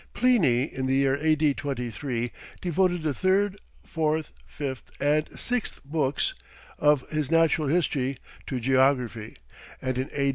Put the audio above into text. Pliny in the year A.D. 23, devoted the third, fourth, fifth, and sixth books of his Natural History to geography, and in A.